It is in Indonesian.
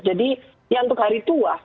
jadi ya untuk hari tua